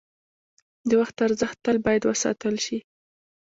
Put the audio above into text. د وخت ارزښت تل باید وساتل شي.